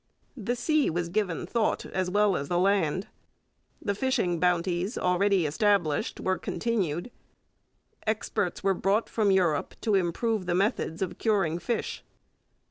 The sea was given thought as well as the land. The fishing bounties already established were continued. Experts were brought from Europe to improve the methods of curing fish.